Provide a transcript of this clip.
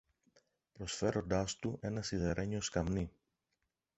προσφέροντάς του ένα σιδερένιο σκαμνί.